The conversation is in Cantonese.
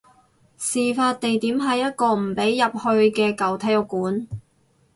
事發地點係一個唔俾入去嘅舊體育館